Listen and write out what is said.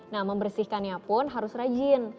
nah membersihkannya pun harus rajin